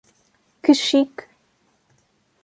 Que chique!